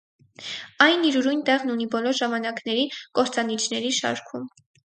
Այն իր ուրույն տեղն ունի բոլոր ժամանակների կործանիչների շարքում։